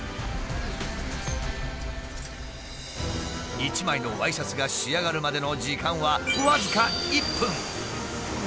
１枚のワイシャツが仕上がるまでの時間は僅か１分。